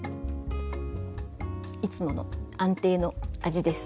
いつもの安定の味です。